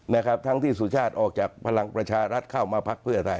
จะทั้งที่สุชาติออกจากภรรมประชารัฐเข้ามา